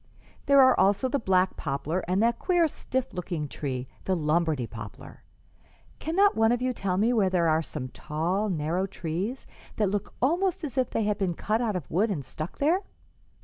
There are also the black poplar and that queer, stiff looking tree the Lombardy poplar. Cannot one of you tell me where there are some tall, narrow trees that look almost as if they had been cut out of wood and stuck there?"